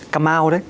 come out đấy